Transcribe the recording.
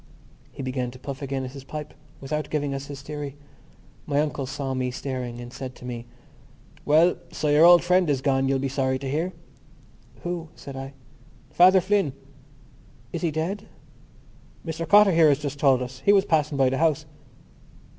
He began to puff again at his pipe without giving us his theory. My uncle saw me staring and said to me: "Well, so your old friend is gone, you'll be sorry to hear." "Who?" said I. "Father Flynn." "Is he dead?" "Mr Cotter here has just told us. He was passing by the house."